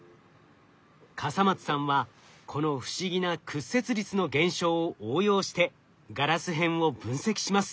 笠松さんはこの不思議な屈折率の現象を応用してガラス片を分析します。